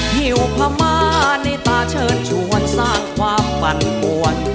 หิวพม่าในตาเชิญชวนสร้างความปั่นปวน